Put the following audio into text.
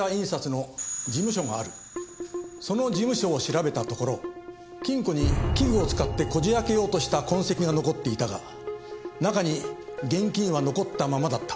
その事務所を調べたところ金庫に器具を使ってこじ開けようとした痕跡が残っていたが中に現金は残ったままだった。